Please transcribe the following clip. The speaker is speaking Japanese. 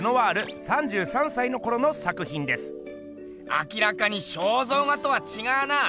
明らかに肖像画とはちがうな。